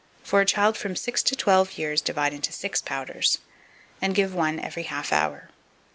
For a child from six to twelve years, divide into 6 powders, and give one every half hour.